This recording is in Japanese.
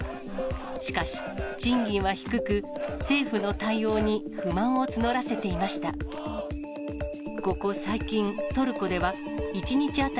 しかし、賃金は低く、政府の対応に不満を募らせていました。